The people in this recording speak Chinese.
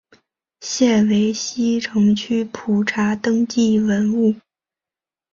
现为西城区普查登记文物。